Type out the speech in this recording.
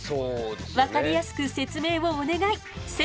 分かりやすく説明をお願い仙太くん！